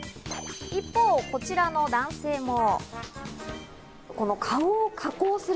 一方、こちらの男性も。